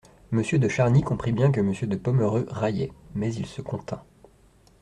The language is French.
Monsieur de Charny comprit bien que Monsieur de Pomereux raillait, mais il se contint.